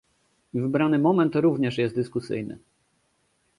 Wybrany moment również jest dyskusyjny